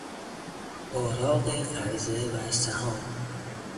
اوراق قرضه و سهام